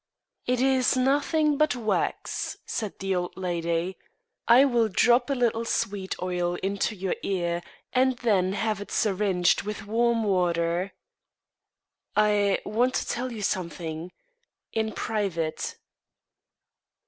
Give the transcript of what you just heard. "It is nothing but wax," said the old lady. "I will drop a little sweet oil into your ear, and then have it syringed with warm water." "I want to tell you something in private."